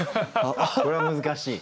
これは難しい。